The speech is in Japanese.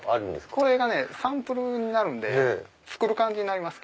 これがサンプルになるんで作る感じになります。